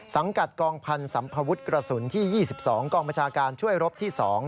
สังกัดกองพันธ์สัมภวุฒิกระสุนที่๒๒กองบัญชาการช่วยรบที่๒